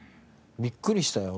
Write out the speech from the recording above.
びっくりしたよ